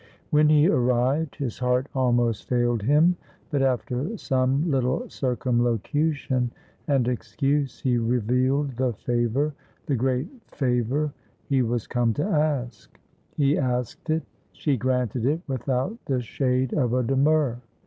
When he arrived, his heart almost failed him, but after some little circumlocution and excuse he revealed the favor, the great favor, he was come to ask. He asked it. She granted it without the shade of a demur.